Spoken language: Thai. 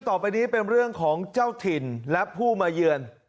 ต่อไปนี้เป็นเรื่องของเจ้าถิ่นและผู้มาเยือน